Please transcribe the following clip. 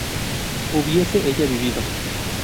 ¿hubiese ella vivido?